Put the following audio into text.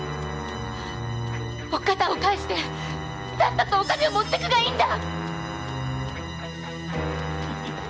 おっかさんを返してさっさとお金を持っていくがいいんだ！